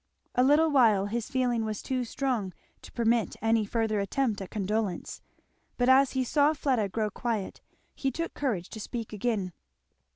A little while his feeling was too strong to permit any further attempt at condolence; but as he saw Fleda grow quiet he took courage to speak again.